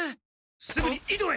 すぐに井戸へ！